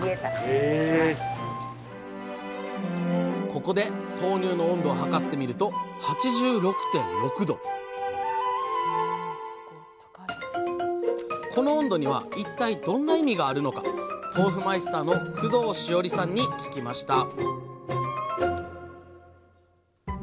ここで豆乳の温度を測ってみると８６．６℃この温度には一体どんな意味があるのか豆腐マイスターの工藤詩織さんに聞きました